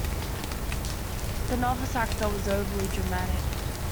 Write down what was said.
The novice actor was overly dramatic.